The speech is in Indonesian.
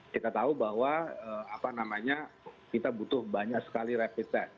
kita tahu bahwa kita butuh banyak sekali rapid test